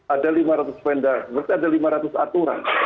ada lima ratus vendor berarti ada lima ratus aturan